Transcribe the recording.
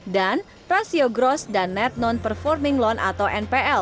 dan rasio gross dan net non performing loan atau npl